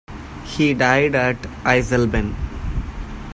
He died at Eisleben.